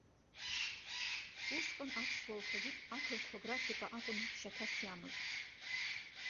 Усҟан аԥсуа алфавит ақырҭуа графика акәын шьаҭас иамаз.